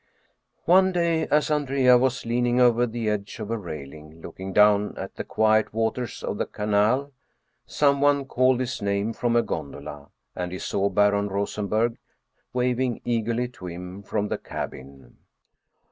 One day, as Andrea was leaning over the edge of a rail ing looking down at the quiet waters of the canal, some one called his name from a gondola, and he saw Baron Rosen berg waving eagerly to him from the cabin.